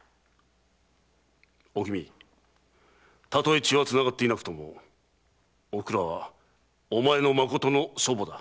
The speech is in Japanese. おきみたとえ血はつながっていなくともおくらはお前のまことの祖母だ。